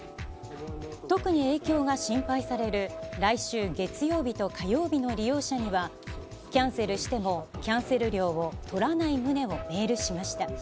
特に影響が心配される来週月曜日と火曜日の利用者には、キャンセルしてもキャンセル料を取らない旨をメールしました。